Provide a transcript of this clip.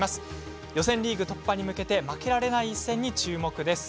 予選リーグ突破に向けて負けられない一戦に注目です。